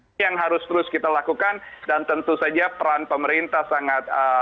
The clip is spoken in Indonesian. ini yang harus terus kita lakukan dan tentu saja peran pemerintah sangat